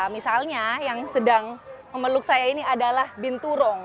misalnya yang sedang memeluk saya ini adalah binturong